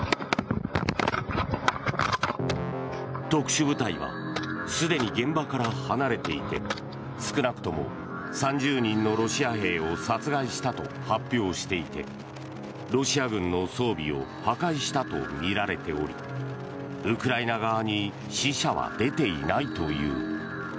特殊部隊はすでに現場から離れていて少なくとも３０人のロシア兵を殺害したと発表していてロシア軍の装備を破壊したとみられておりウクライナ側に死者は出ていないという。